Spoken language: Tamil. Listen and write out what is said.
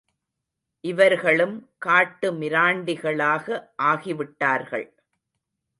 இவர்களும் காட்டு மிராண்டிகளாக ஆகிவிட்டார்கள்.